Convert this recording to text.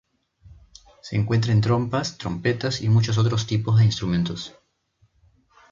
Se encuentra en trompas, trompetas y muchos otros tipos de instrumentos.